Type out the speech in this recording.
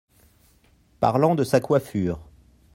Parlant de sa coiffure.